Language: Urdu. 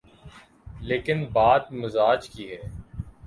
لیکن بات مزاج کی ہے۔